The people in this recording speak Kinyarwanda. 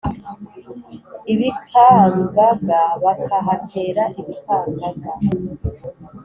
ibikangaga bakahatera ibikangaga!